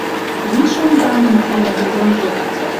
Виш онганым ценьӹ когонжок.